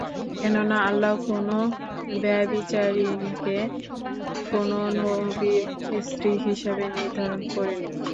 কেননা, আল্লাহ কোন ব্যভিচারিণীকে কোন নবীর স্ত্রী হিসেবে নির্ধারণ করেননি।